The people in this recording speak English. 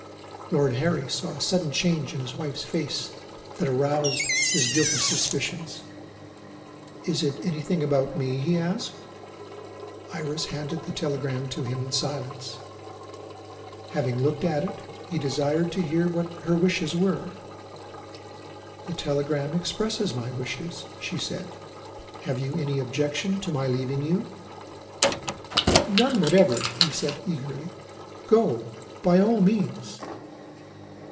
Lord Harry saw a sudden change in his wife's face that roused his guilty suspicions. "Is it anything about me?" he asked. Iris handed the telegram to him in silence. Having looked at it, he desired to hear what her wishes were. "The telegram expresses my wishes," she said. "Have you any objection to my leaving you?" "None whatever," he answered eagerly. "Go, by all means."